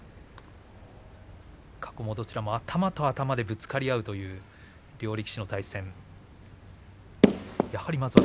過去もどちらも頭と頭でぶつかり合うという両力士の対戦。